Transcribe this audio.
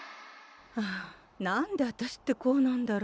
はあ何であたしってこうなんだろう。